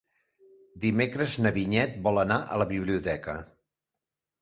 Dimecres na Vinyet vol anar a la biblioteca.